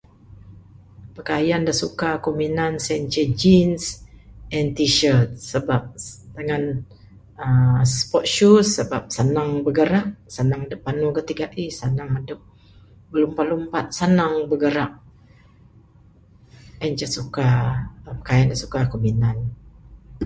Pikayan da suka ku minan sien inceh jeans and t shirt, sabab dangan aaa sport shoes sabab sanang bergerak, sanang adep panu gati gaih, sanang adep bilumpat lumpat, sanang bigarak. En ceh suka, pikayan da suka ku minan.